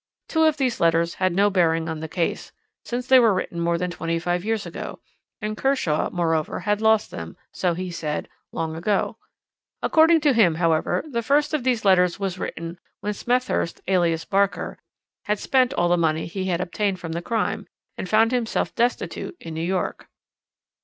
Two of these letters had no bearing on the case, since they were written more than twenty five years ago, and Kershaw, moreover, had lost them so he said long ago. According to him, however, the first of these letters was written when Smethurst, alias Barker, had spent all the money he had obtained from the crime, and found himself destitute in New York.